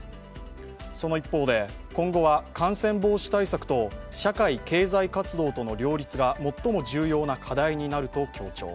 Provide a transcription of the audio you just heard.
その一方で、今後は感染防止対策と社会経済活動との両立が最も重要な課題になると強調。